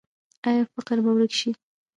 آیا فقر به ورک شي؟